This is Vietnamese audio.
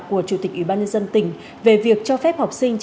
của chủ tịch ủy ban nhân dân tỉnh về việc cho phép học sinh